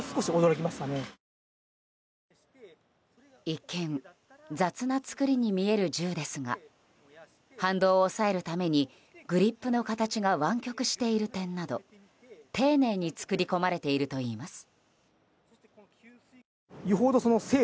一見雑な作りに見える銃ですが反動を抑えるためにグリップの形が湾曲している点など丁寧に作りこまれているといいます。